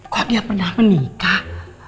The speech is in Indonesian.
kok dia pernah menikah